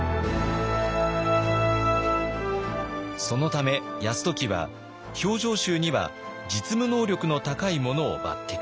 そのため泰時は評定衆には実務能力の高い者を抜擢。